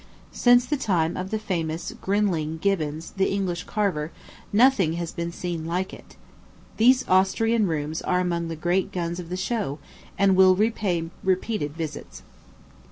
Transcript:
Since the time of the famous Grinling Gibbons, the English carver, nothing has been seen like it. These Austrian rooms are among the great guns of the show, and will repay repeated visits.